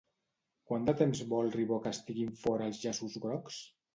Quant de temps vol Ribó que estiguin fora els llaços grocs?